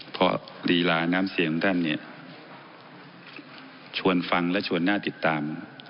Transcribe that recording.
เพราะลีลาน้ำเสียงของท่านเนี่ยชวนฟังและชวนหน้าติดตาม